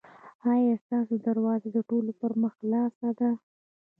ایا ستاسو دروازه د ټولو پر مخ خلاصه ده؟